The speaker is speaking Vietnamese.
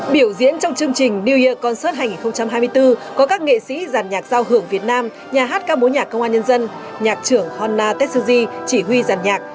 biểu diễn trong chương trình new year concert hai nghìn hai mươi bốn có các nghệ sĩ giàn nhạc giao hưởng việt nam nhà hát ca mối nhạc công an nhân dân nhạc trưởng honna tetsuji chỉ huy giàn nhạc